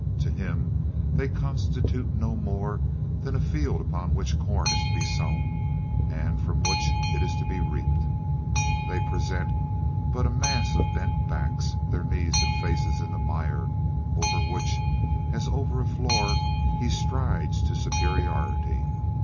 To him they constitute no more than a field upon which corn is to be sown, and from which it is to be reaped. They present but a mass of bent backs, their knees and faces in the mire, over which as over a floor he strides to superiority.